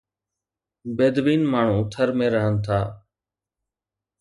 بيدوين ماڻهو ٿر ۾ رهن ٿا.